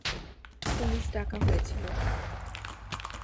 Police ডাকা হয়েছিল।